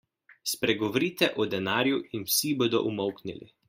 Spregovorite o denarju in vsi bodo umolknili.